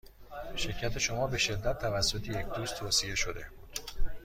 شرکت شما به شدت توسط یک دوست توصیه شده بود.